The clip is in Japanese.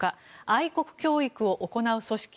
愛国教育を行う組織